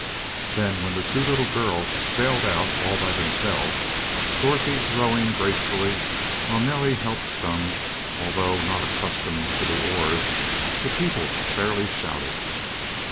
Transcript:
Then, when the two little girls sailed out all by themselves, Dorothy rowing gracefully, while Nellie helped some, although not accustomed to the oars, the people fairly shouted.